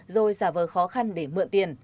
rồi giả vờ khó khăn để mượn tiền